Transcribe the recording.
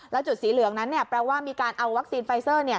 แล้วจุดสีเหลืองนั้นแปลว่ามีการเอาวัคซีนไฟเซอร์